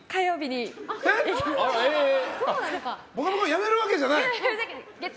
辞めるわけじゃない？